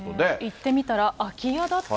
行ってみたら空き家だった。